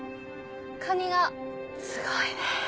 カニがすごいね。